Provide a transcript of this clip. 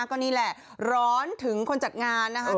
ก็นี่แหละร้อนถึงคนจัดงานนะคะ